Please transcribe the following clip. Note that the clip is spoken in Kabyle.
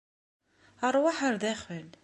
Ṛwaḥ ar daxel.